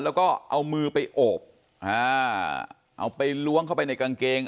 แล้วก็เอามือไปโอบอ่าเอาไปล้วงเข้าไปในกางเกง